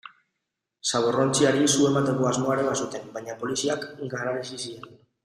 Zaborrontziari su emateko asmoa ere bazuten, baina poliziak galarazi zien.